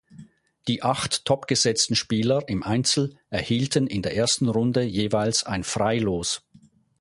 Die acht topgesetzten Spieler im Einzel erhielten in der ersten Runde jeweils ein Freilos.